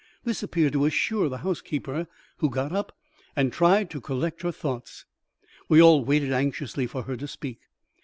This appeared to assure the housekeeper, who got up and tried to collect her thoughts. We all waited anxiously for her to speak.